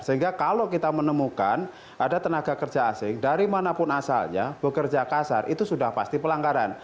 sehingga kalau kita menemukan ada tenaga kerja asing dari manapun asalnya bekerja kasar itu sudah pasti pelanggaran